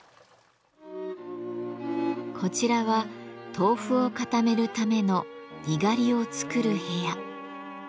こちらは豆腐を固めるための「にがり」を作る部屋。